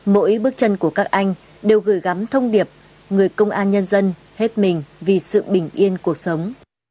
mỗi bước chân của các anh đều gửi gắm thông điệp người công an nhân dân hết mình vì sự bình yên cuộc sống